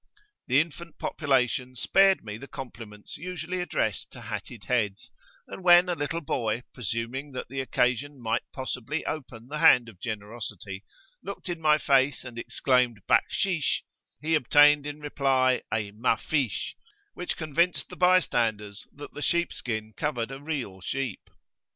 The infant population spared me the compliments usually addressed to hatted heads; and when a little boy, presuming that the occasion might possibly open the hand of generosity, looked in my face and exclaimed "Bakhshish,"[FN#10] he obtained in reply a "Mafish;"[FN#11] which convinced the bystanders that the sheep skin covered a real sheep.